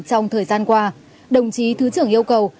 trong thời gian qua đồng chí thứ trưởng yêu cầu